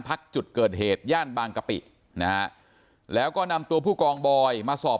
พักจุดเกิดเหตุย่านบางกะปินะฮะแล้วก็นำตัวผู้กองบอยมาสอบ